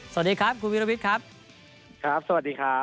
สวัสดีครับคุณวิรวิทย์ครับครับสวัสดีครับ